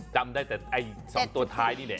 จำได้แต่ไอ้๒ตัวท้ายนี่แหละ